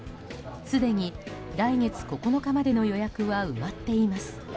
すでに来月９日までの予約は埋まっています。